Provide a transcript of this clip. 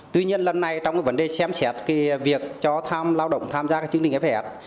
tuy nhiên lần này trong vấn đề xem xét việc cho tham lao động tham gia chứng định fhf